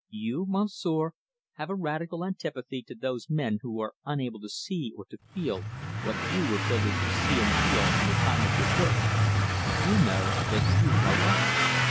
You, Monsieur, have a radical antipathy to those men who are unable to see or to feel what you were privileged to see and feel from the time of your birth. You know that you are right.